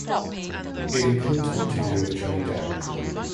It includes an interview of Johnny Depp.